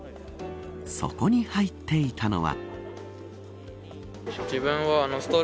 そこに入っていたのは。